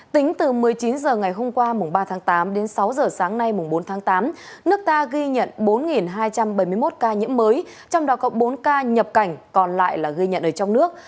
tính từ một mươi chín h ngày hôm qua ba tám đến sáu h sáng nay bốn tám nước ta ghi nhận bốn hai trăm bảy mươi một ca nhiễm mới trong đó cộng bốn ca nhập cảnh còn lại ghi nhận ở trong nước